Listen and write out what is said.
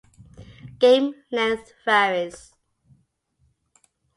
Game length varies.